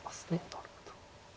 なるほど。